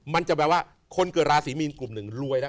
มันจะแปลว่าคนเกิดราศีมีนกลุ่มหนึ่งรวยได้